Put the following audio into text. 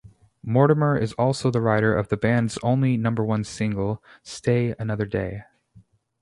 Mortimer is also the writer of the band's only number-one single, "Stay Another Day".